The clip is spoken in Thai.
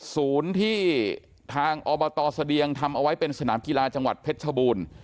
ศูนย์ที่ทางอบตเสดียงทำเอาไว้เป็นสนามกีฬาจังหวัดเพชรชบูรณ์